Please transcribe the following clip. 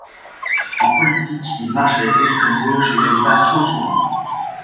En politique, il marche avec l’extrême gauche et la dépasse trop souvent.